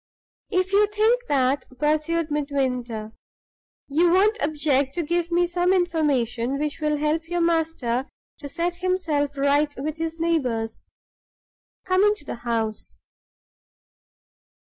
"If you think that," pursued Midwinter, "you won't object to give me some information which will help your master to set himself right with his neighbors. Come into the house."